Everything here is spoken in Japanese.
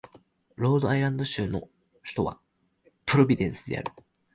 ロードアイランド州の州都はプロビデンスである